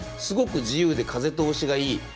すごく自由で風通しがいい。